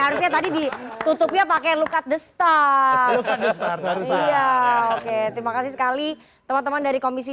harusnya tadi ditutupnya pakai look at the star ya oke terima kasih sekali teman teman dari komisi